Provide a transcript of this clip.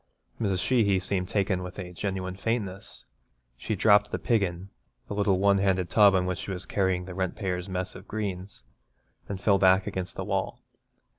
Mrs. Sheehy seemed taken with a genuine faintness. She dropped the 'piggin,' the little one handled tub in which she was carrying the rentpayer's mess of greens, and fell back against the wall.